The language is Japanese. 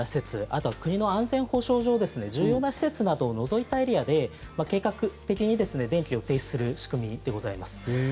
あとは国の安全保障上重要な施設などを除いたエリアで計画的に電気を停止する仕組みでございます。